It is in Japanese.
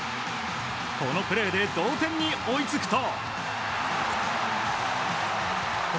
このプレーで同点に追いつくと。